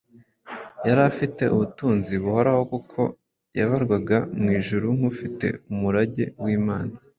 yari afite ubutunzi buhoraho kuko yabarwaga mu ijuru nk’ufite umurage w’Imana